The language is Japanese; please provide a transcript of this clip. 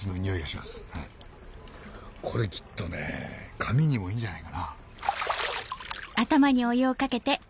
これきっとね髪にもいいんじゃないかな。